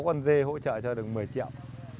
sáu con dê hỗ trợ cho được một mươi triệu